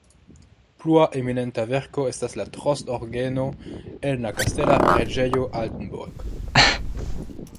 Plua eminenta verko estas la Trost-orgeno en la kastela preĝejo Altenburg.